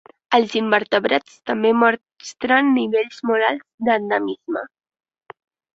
Els invertebrats també mostren nivells molt alts d'endemisme.